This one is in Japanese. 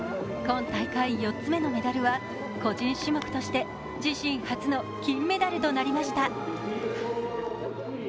今大会４つ目のメダルは個人種目として自身初の金メダルとなりました。